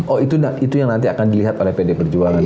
oh itu yang nanti akan dilihat oleh pd perjuangan